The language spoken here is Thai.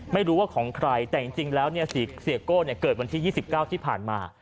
ไม่รู้ว่าของใครแต่จริงแล้วเสียโก้เกิดวันที่๒๙ที่ผ่านมา